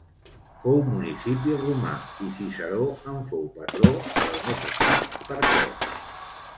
Fou municipi romà i Ciceró en fou patró però no se sap per què.